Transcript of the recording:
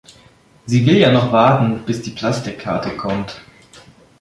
Sie will ja noch warten, bis die Plastikkarte kommt.